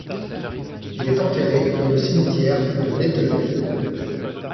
Il est enterré dans le cimetière de Nettlebed.